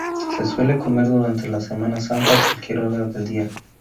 Se suele comer durante la Semana Santa a cualquier hora del día.